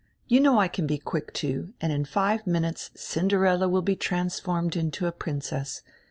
You know I can be quick, too, and in five minutes Cinderella will be transformed into a princess.